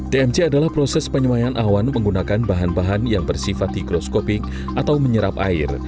tmc adalah proses penyewaian awan menggunakan bahan bahan yang bersifat higroskopik atau menyerap air